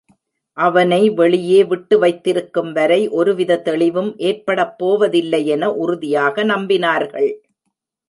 அவனை வெளியே விட்டுவைத்திருக்கும்வரை ஒருவித தெளிவும் ஏற்படப்போவதில்லையென உறுதியாக நம்பினார்கள்.